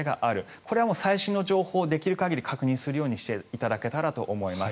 これは最新の情報をできる限り確認していただけたらと思います。